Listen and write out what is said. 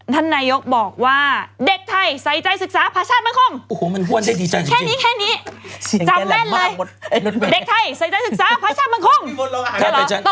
ท่านนายกบอกว่า